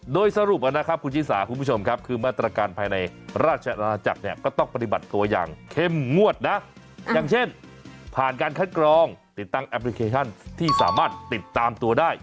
โดยสรุปนะครับคุณชิสาคุณผู้ชมครับคือมาตรการภายในราชอาณาจักรเนี่ยก็ต้องปฏิบัติตัวอย่างเข้มงวดนะอย่างเช่นผ่านการคัดกรองติดตั้งแอปพลิเคชันที่สามารถติดตามตัวได้